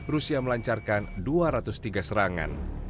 rusia melancarkan dua ratus tiga serangan